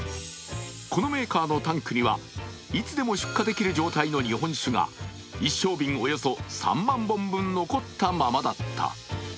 このメーカーのタンクにはいつでも出荷できる状態の日本酒が一升瓶およそ３２万本残ったままだった。